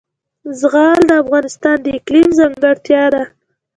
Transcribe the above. زغال د افغانستان د اقلیم ځانګړتیا ده.